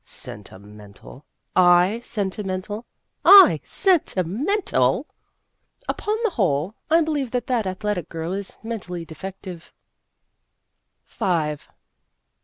Sentimental !/ sentimental !! I sentimental !!/ Upon the whole, I believe that that athletic girl is mentally defective.